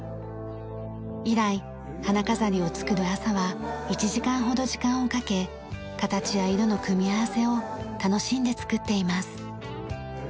以来花飾りを作る朝は１時間ほど時間をかけ形や色の組み合わせを楽しんで作っています。